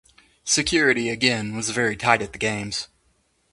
Security again was very tight at the games.